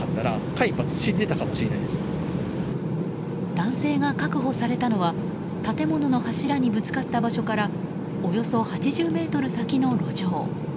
男性が確保されたのは建物の柱にぶつかった場所からおよそ８０ｍ先の路上。